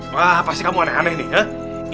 wah apa sih kamu aneh aneh ini hah